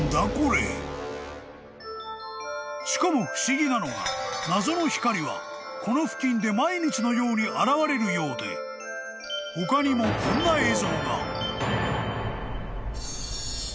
［しかも不思議なのが謎の光はこの付近で毎日のように現れるようで他にもこんな映像が］